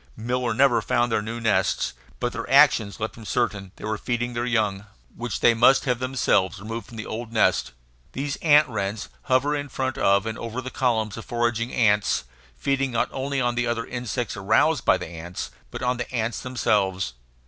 Miller never found their new nests, but their actions left him certain that they were feeding their young, which they must have themselves removed from the old nest. These ant wrens hover in front of and over the columns of foraging ants, feeding not only on the other insects aroused by the ants, but on the ants themselves.